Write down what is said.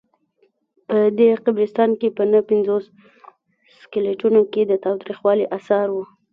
په دې قبرستان کې په نههپنځوس سکلیټونو کې د تاوتریخوالي آثار وو.